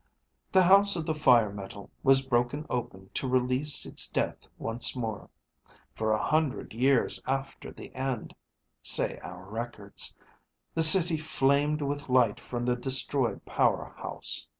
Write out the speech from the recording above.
The house of the fire metal was broken open to release its death once more. For a hundred years after the end, say our records, the city flamed with light from the destroyed power house.